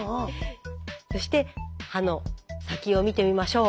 そして刃の先を見てみましょう。